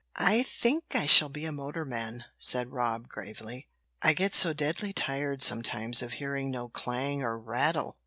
"I think I shall be a motorman," said Rob, gravely. "I get so deadly tired sometimes of hearing no clang or rattle!